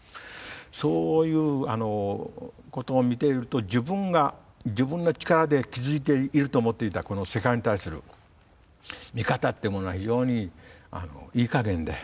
そういうことを見ていると自分が自分の力で築いていると思っていたこの世界に対する見方っていうものは非常にいいかげんで。